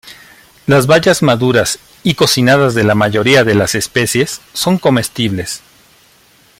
Las bayas maduras y cocinadas de la mayoría de las especies son comestibles.